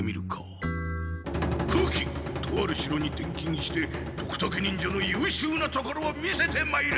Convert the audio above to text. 風鬼とある城に転勤してドクタケ忍者のゆうしゅうなところを見せてまいれ！